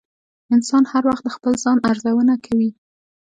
انسان هر وخت د خپل ځان ارزونه کوي.